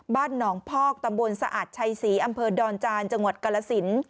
บ้านหนองพอกตำบลสะอาดชัยศรีอำเภอดอนจานจังหวัดกาลสิน